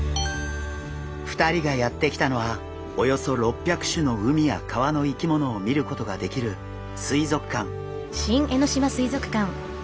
２人がやって来たのはおよそ６００種の海や川の生き物を見ることができる水族館。